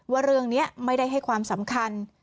ว่าเรื่องนี้ไม่ได้ให้ความสำคัญ